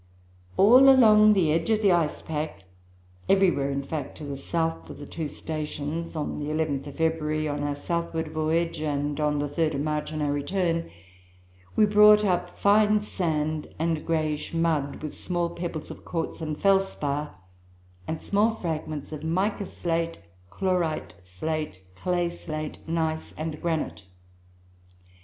"All along the edge of the ice pack everywhere, in fact, to the south of the two stations on the 11th of February on our southward voyage, and on the 3rd of March on our return, we brought up fine sand and grayish mud, with small pebbles of quartz and felspar, and small fragments of mica slate, chlorite slate, clay slate, gneiss, and granite.